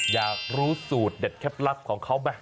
อยากรู้สูตรเด็ดแคบลักษณ์ของเขาไหม